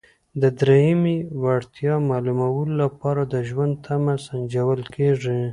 د دریمې وړتیا معلومولو لپاره د ژوند تمه سنجول کیږي.